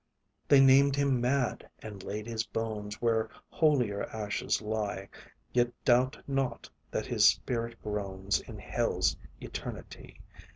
They named him mad, and laid his bones Where holier ashes lie; Yet doubt not that his spirit groans In hell's eternity.